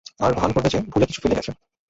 আর ভাণ করবে যে ভুলে কিছু ফেলে গেছে।